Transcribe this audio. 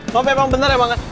so emang bener ya banget